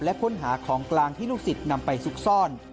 และค้นหาของกลางที่ลูกศิษย์นำไปซุกซ่อน